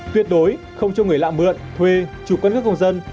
tuyệt đối không cho người lạ mượn thuê chủ quân các công dân